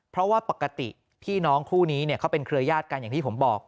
เพราะว่าปกติพี่น้องคู่นี้เขาเป็นเครือยาศกันอย่างที่ผมบอก